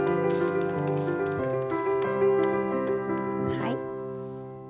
はい。